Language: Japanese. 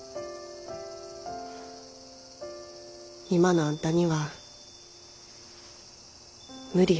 今のあんたには無理や。